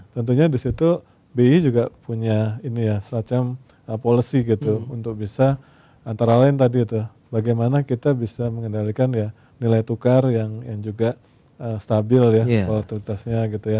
tentunya di situ bi juga punya ini ya semacam policy gitu untuk bisa antara lain tadi itu bagaimana kita bisa mengendalikan ya nilai tukar yang juga stabil ya volatilitasnya gitu ya